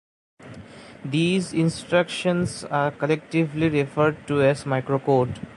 These instructions are collectively referred to as microcode.